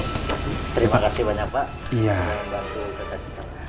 terima kasih banyak pak